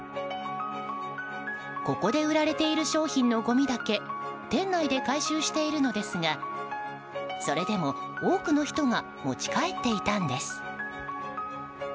ここで売られている商品のごみだけ店内で回収しているのですがそれでも多くの人が持ち帰っていたんです。